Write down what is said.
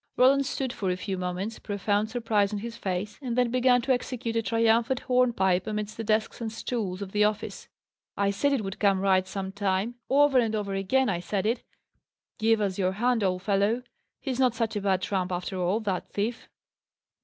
Roland stood for a few moments, profound surprise on his face, and then began to execute a triumphant hornpipe amidst the desks and stools of the office. "I said it would come right some time; over and over again I said it! Give us your hand, old fellow! He's not such a bad trump after all, that thief!"